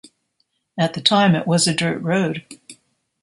At the time, it was a dirt road.